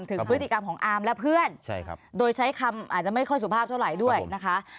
ถึงพฤติกรรมของอาร์มและเพื่อนโดยใช้คำอาจจะไม่ค่อยสุภาพเท่าไหร่ด้วยนะคะ